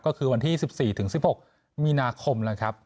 ก็คือวันที่๑๔๑๖มีนาคมนะครับ